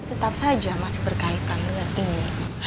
tetap saja masih berkaitan dengan ini